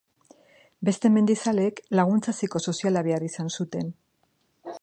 Beste mendizaleek laguntza psikosoziala behar izan zuten.